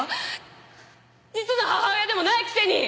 実の母親でもないくせに！